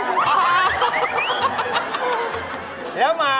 ถ้าเป็นปากถ้าเป็นปากถ้าเป็นปาก